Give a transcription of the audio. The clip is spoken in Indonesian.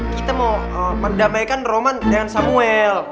kita mau mendamaikan roman dengan samuel